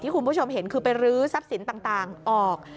คุณผู้ชมเห็นคือไปรื้อทรัพย์สินต่างออก